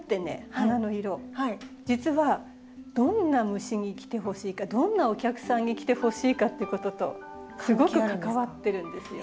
花の色実はどんな虫に来てほしいかどんなお客さんに来てほしいかということとすごく関わってるんですよ。